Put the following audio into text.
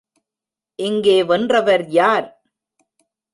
இங்கே வென்றவர் யார்?